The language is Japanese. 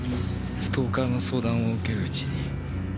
ストーカーの相談を受けるうちに。